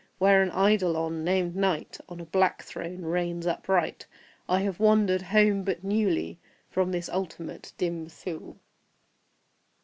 Where an Eidolon, named NIGHT, On a black throne reigns upright, I have wandered home but newly From this ultimate dim Thule.